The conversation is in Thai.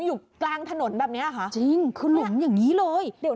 อยู่กลางถนนแบบเนี้ยค่ะจริงคือหลุมอย่างนี้เลยเดี๋ยว